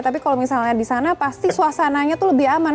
tapi kalau misalnya di sana pasti suasananya tuh lebih aman